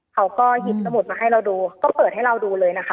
เขาก็หยิบสมุดมาให้เราดูก็เปิดให้เราดูเลยนะคะ